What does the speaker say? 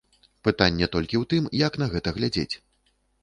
Пытанне толькі ў тым, як на гэта глядзець.